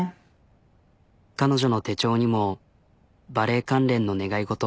彼女の手帳にもバレー関連の願い事。